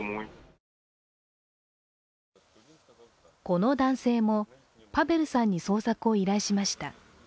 この男性もパベルさんに捜索を依頼しました。